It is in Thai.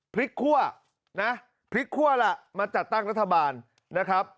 คั่วนะพลิกคั่วล่ะมาจัดตั้งรัฐบาลนะครับ